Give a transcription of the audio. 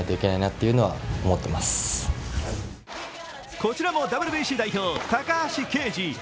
こちらもＷＢＣ代表、高橋奎二。